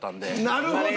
なるほど！